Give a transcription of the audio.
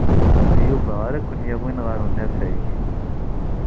D Yuba ara ken-yawin ɣer unafag.